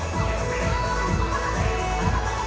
ขอบคุณครับ